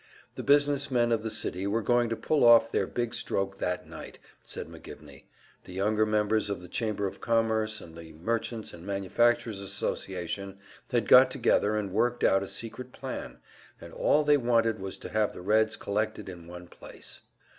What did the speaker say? The business men of the city were going to pull off their big stroke that night, said McGivney; the younger members of the Chamber of Commerce and the Merchants' and Manufacturers' Association had got together and worked out a secret plan, and all they wanted was to have the Reds collected in one place.